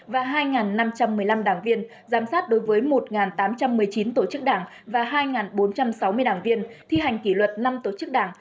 và hai năm trăm một mươi năm đảng viên giám sát đối với một tám trăm một mươi chín tổ chức đảng và hai bốn trăm sáu mươi đảng viên thi hành kỷ luật năm tổ chức đảng